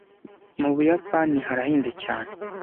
Mu Buyapani harahenze cyane